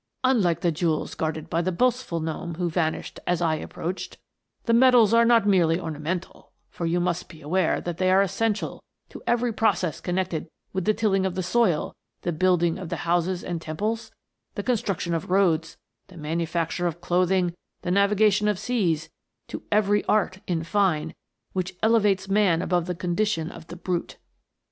Unlike the jewels guarded by the boast ful gnome who vanished as I approached, the metals are not merely ornamental, for you must be aware that they are essential to every process connected with the tilling of the soil, the building of houses and temples, the construction of roads, the manufac ture of clothing, the navigation of seas to every art, in fine, which elevates man above the condition of the brute.